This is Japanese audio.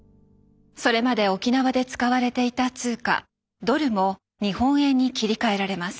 それまで沖縄で使われていた通貨ドルも日本円に切り替えられます。